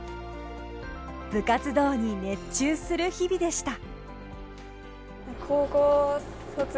部活動に熱中する日々でした。